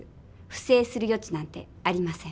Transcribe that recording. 不正するよ地なんてありません。